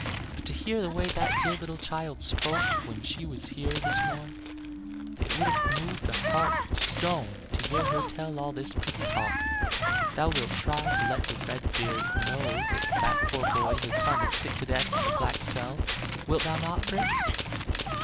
But to hear the way that dear little child spoke when she was here this morn it would have moved a heart of stone to hear her tell of all his pretty talk. Thou wilt try to let the red beard know that that poor boy, his son, is sick to death in the black cell; wilt thou not, Fritz?"